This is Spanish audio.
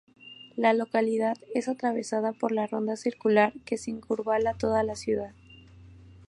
La localidad es atravesada por la Ronda Circular que circunvala toda la ciudad.